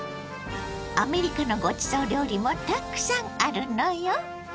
アメリカのごちそう料理もたくさんあるのよ。